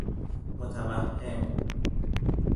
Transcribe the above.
متوهم